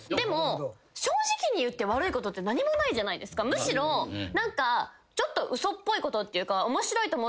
むしろ何かちょっと嘘っぽいことっていうか。